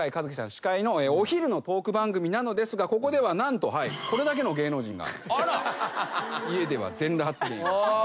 司会のお昼のトーク番組なのですがここでは何とこれだけの芸能人が家では全裸発言。